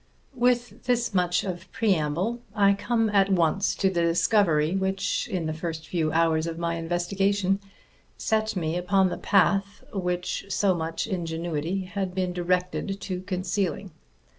With this much of preamble I come at once to the discovery which, in the first few hours of my investigation, set me upon the path which so much ingenuity had been directed to concealing.